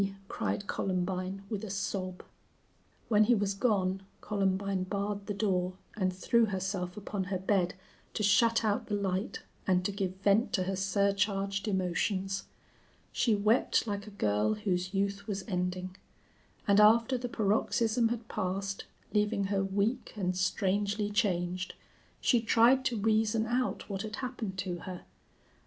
cried Columbine, with a sob. When he was gone Columbine barred the door and threw herself upon her bed to shut out the light and to give vent to her surcharged emotions. She wept like a girl whose youth was ending; and after the paroxysm had passed, leaving her weak and strangely changed, she tried to reason out what had happened to her.